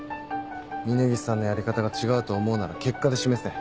峰岸さんのやり方が違うと思うなら結果で示せ。